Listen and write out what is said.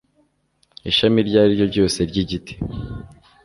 ishami iryo ari ryo ryose ry'igiti